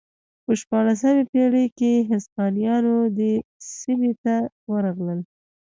په شپاړسمې پېړۍ کې هسپانویان دې سیمې ته ورغلل.